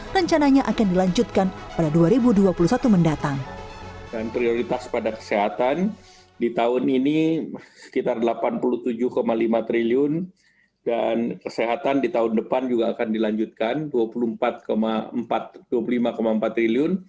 dan prioritas pada kesehatan di tahun ini sekitar rp delapan puluh tujuh lima triliun dan kesehatan di tahun depan juga akan dilanjutkan rp dua puluh lima empat triliun